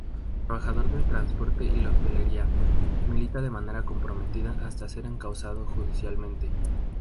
Trabajador del transporte y la hostelería, milita de manera comprometida hasta ser encausado judicialmente.